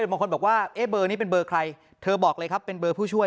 บางคนบอกว่าเบอร์นี้เป็นเบอร์ใครเธอบอกเลยครับเป็นเบอร์ผู้ช่วย